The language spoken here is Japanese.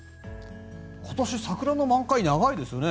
今年、桜の満開長いですよね。